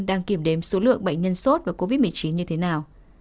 đang kiểm đếm số lượng bệnh nhân sốt và covid một mươi chín như thế nào